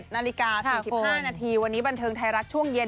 นาฬิกา๔๕นาทีวันนี้บันเทิงไทยรัฐช่วงเย็น